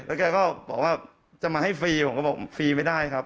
แกก็บอกว่าจะมาให้ฟรีผมก็บอกฟรีไม่ได้ครับ